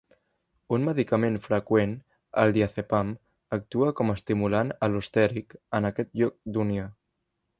Un medicament freqüent, el diazepam, actua com estimulant al·lostèric en aquest lloc d'unió.